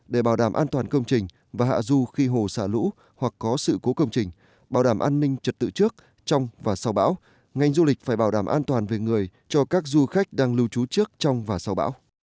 để bảo đảm an toàn công trình và hạ du khi hồ xả lũ hoặc có sự cố công trình bảo đảm an ninh trật tự trước trong và sau bão ngành du lịch phải bảo đảm an toàn về người cho các du khách đang lưu trú trước trong và sau bão